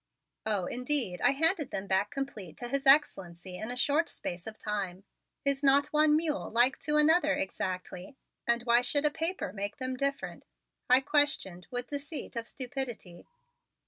"Oh, indeed, I handed them back completed to His Excellency in a short space of time. Is not one mule like to another exactly, and why should a paper make them different?" I questioned with deceit of stupidity.